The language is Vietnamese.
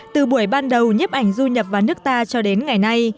từ buổi ban đầu nhếp ảnh du nhập vào nước ta cho đến ngày nay